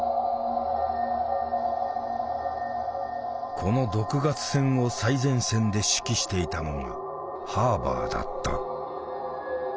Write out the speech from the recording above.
この毒ガス戦を最前線で指揮していたのがハーバーだった。